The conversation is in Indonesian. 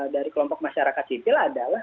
dari kelompok masyarakat sipil adalah